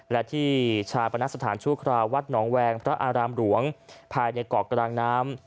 และที่ชาปนสถานชั่วคราววัดหนองแวงพระอารามหลวงภายในเกาะกลางน้ำ